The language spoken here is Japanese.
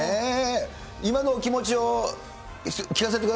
今のお気持ちを聞かせてくだ